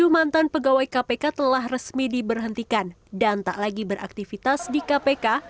tujuh mantan pegawai kpk telah resmi diberhentikan dan tak lagi beraktivitas di kpk